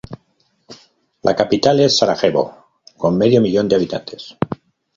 La capital es Sarajevo, con medio millón de habitantes.